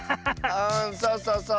うんそうそうそう。